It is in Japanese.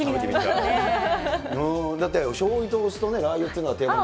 だって、しょうゆとお酢とラー油っていうのが定番。